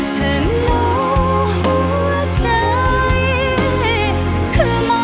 ท่านรู้หัวใจ